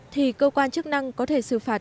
thì cơ quan chức năng có thể xử phạt